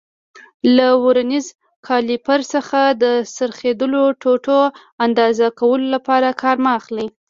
له ورنیز کالیپر څخه د څرخېدلو ټوټو اندازه کولو لپاره کار مه اخلئ.